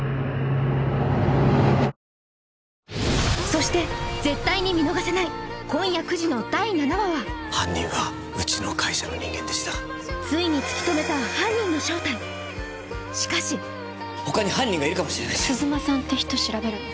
そして絶対に見逃せない今夜９時の第７話は犯人はうちの会社の人間でしたついにしかし他に犯人がいるかもしれないし鈴間さんって人調べるの？